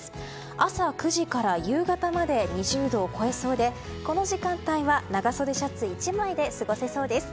朝９時から夕方まで２０度を超えそうでこの時間帯は長袖シャツ１枚で過ごせそうです。